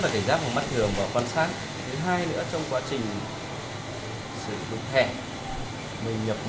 tư cáo đối với người sử dụng thẻ atm